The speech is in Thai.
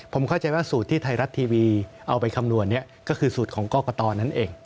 ผมเข้าใจว่าสูตรที่ไทยรัฐทีวีเอาไปคำนวณนี้ก็คือสูตรของกรกตนั่นเอง